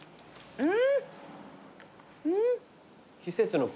うん。